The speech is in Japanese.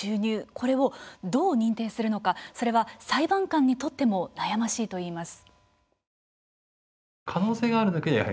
これをどう認定するのかそれは裁判官にとっても悩ましいといいます。